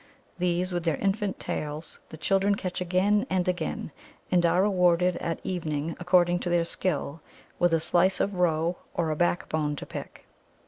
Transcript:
These, with their infant tails, the children catch again and again, and are rewarded at evening, according to their skill, with a slice of roe or a backbone to pick.